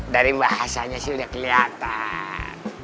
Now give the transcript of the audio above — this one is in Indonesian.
dari bahasanya sih udah kelihatan